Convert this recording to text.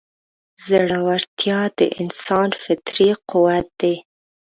زړهورتیا د انسان فطري قوت دی.